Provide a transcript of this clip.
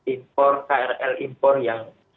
impor krl impor yang